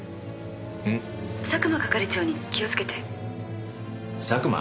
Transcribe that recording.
「佐久間係長に気をつけて」佐久間？